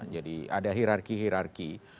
jadi ada hirarki hirarki